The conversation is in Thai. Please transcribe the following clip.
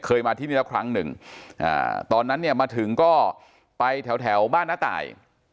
มาที่นี่แล้วครั้งหนึ่งตอนนั้นเนี่ยมาถึงก็ไปแถวบ้านน้าตาย